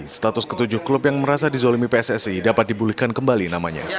status ketujuh klub yang merasa dizolimi pssi dapat dibulihkan kembali namanya